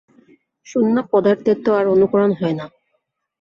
শূন্য- পদার্থের তো আর অনুকরণ হয় না।